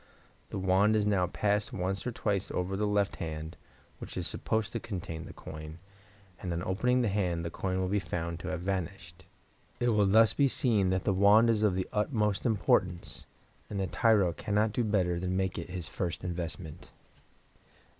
The wand is now passed once or twice over the left hand, which is supposed to contain the coin, and on opening the hand the coin will be found to have vanished. It will thus be seen that the wand is of the utmost importance, and the tyro cannot do better than make it his first investment.